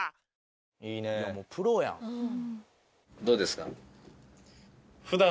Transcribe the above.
どうですか？